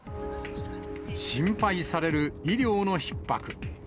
心配される医療のひっ迫。